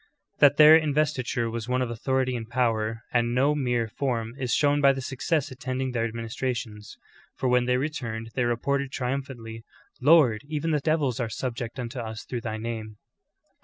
^ That their mvestiture was one of authority and power and no mere form is shown by the success attending their administrations ; for when they returned they reported triumphantly, "Lord, even the devils are subject unto us through thy name."